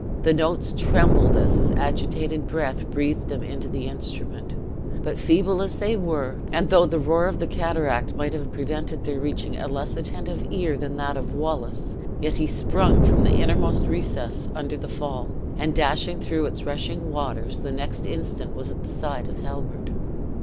The notes trembled as his agitated breath breathed them into the instrument; but feeble as they were, and though the roar of the cataract might have prevented their reaching a less attentive era than that of Wallace, yet he sprung from the innermost recess under the fall, and dashing through its rushing waters, the next instant was at the side of Halbert.